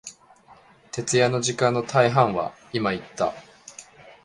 徹夜の時間の大半は、今言った、